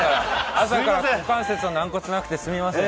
朝から股関節の軟骨なくてすみません。